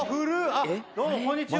あっどうもこんにちは。